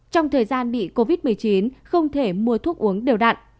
trong thời gian bị covid một mươi chín không thể mua thuốc uống đều đặn